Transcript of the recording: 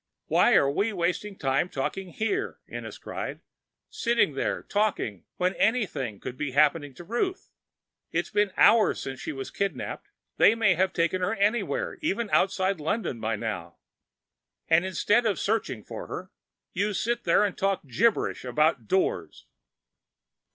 "Why are we wasting time talking here?" Ennis cried. "Sitting here talking, when anything may be happening to Ruth! "It's been hours since she was kidnapped. They may have taken her anywhere, even outside of London by now. And instead of searching for her, you sit here and talk gibberish about Doors!"